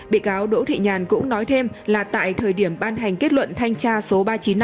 bị cáo đỗ thị nhàn cũng nói thêm là tại thời điểm ban hành kết luận thanh tra số ba nghìn chín trăm năm mươi chín